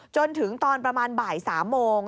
จนถึงตอนประมาณบ่าย๓โมง